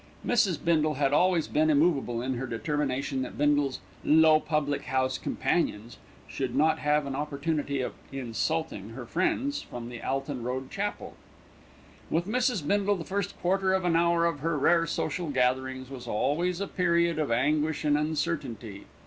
Mrs. Bindle had always been immovable in her determination that Bindle's "low public house companions" should not have an opportunity of "insulting" her friends from the Alton Road Chapel. With Mrs. Bindle the first quarter of an hour of her rare social gatherings was always a period of anguish and uncertainty.